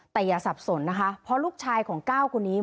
แต่อย่าสับสนนะคะเพราะลูกชายของก้าวคนนี้